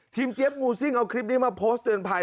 เจี๊ยบงูซิ่งเอาคลิปนี้มาโพสต์เตือนภัย